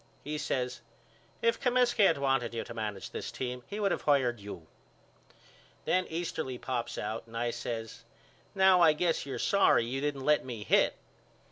He says If Comiskey had wanted you to manage this team he would of hired you. Then Easterly pops out and I says Now I guess you're sorry you didn't let me hit.